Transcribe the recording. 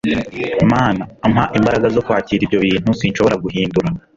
mana, mpa imbaraga zo kwakira ibyo bintu sinshobora guhindura